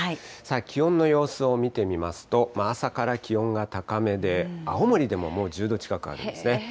気温の様子を見てみますと、朝から気温が高めで、青森でももう１０度近くあるんですね。